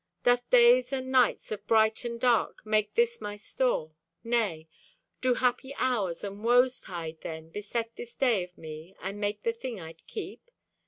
Doth days and nights Of bright and dark make this my store? Nay. Do happy hours and woes tide, then, Beset this day of me and make the thing I'd keep?